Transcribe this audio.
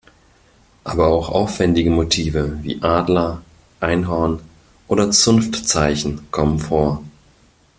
Aber auch aufwendige Motive wie Adler, Einhorn oder Zunftzeichen kommen vor.